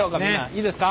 いいですか。